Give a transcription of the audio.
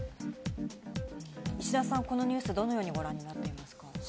石田さん、このニュース、どのようにご覧になっていますか？